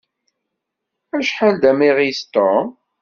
Acḥal d amiɣis, Tom!